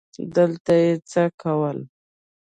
دلته یې څه کول ؟